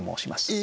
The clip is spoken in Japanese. え！